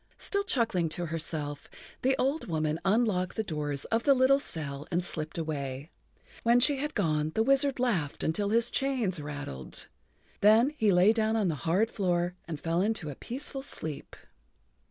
Still chuckling to herself, the old woman unlocked the door of the little cell and slipped away. When she had gone the wizard laughed until his chains rattled. Then he lay down on the hard floor and fell into a peaceful sleep.